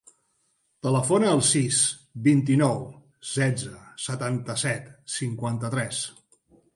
Telefona al sis, vint-i-nou, setze, setanta-set, cinquanta-tres.